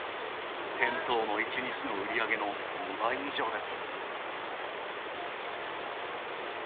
店頭の１日の売り上げの２倍以上です。